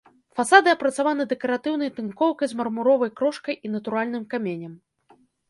Фасады апрацаваны дэкаратыўнай тынкоўкай з мармуровай крошкай і натуральным каменем.